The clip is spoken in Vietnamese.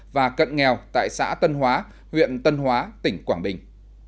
và cận nghèo tại xã tân hóa huyện tân hóa tỉnh quảng bình